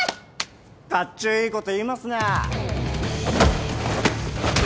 かっちょいいこと言いますな！